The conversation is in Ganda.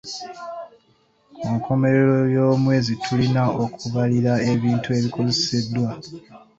Ku nkomerero y'omwezi tulina okubalirira ebintu ebikozeseddwa.